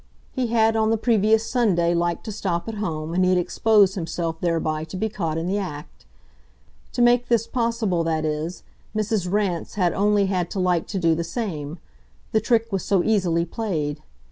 He had on the previous Sunday liked to stop at home, and he had exposed himself thereby to be caught in the act. To make this possible, that is, Mrs. Rance had only had to like to do the same the trick was so easily played.